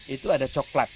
itu ada coklat